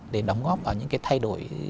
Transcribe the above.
để đóng góp vào những cái thay đổi